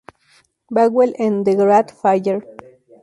Bagwell en "The Great Fire".